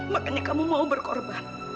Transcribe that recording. makanya kamu mau berkorban